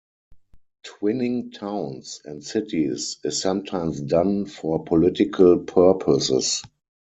Twinning towns and cities is sometimes done for political purposes.